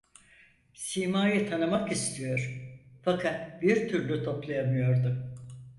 Simayı tanımak istiyor, fakat bir türlü toplayamıyordu.